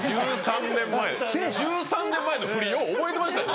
１３年前のふりよう覚えてましたね